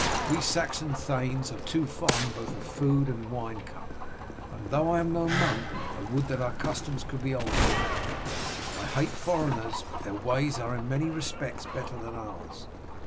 We Saxon thanes are too fond both of food and wine cup, and though I am no monk I would that our customs could be altered. I hate foreigners, but their ways are in many respects better than ours.